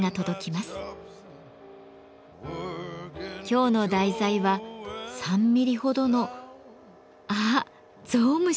今日の題材は３ミリほどのあっゾウムシだ。